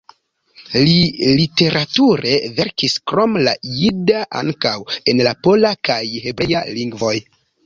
Li literature verkis krom la jida ankaŭ en la pola kaj hebrea lingvoj.